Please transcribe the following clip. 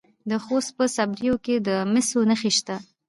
د خوست په صبریو کې د مسو نښې شته.